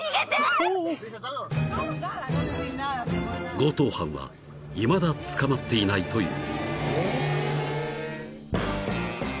［強盗犯はいまだ捕まっていないという］